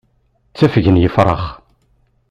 Ttafgen yefṛax.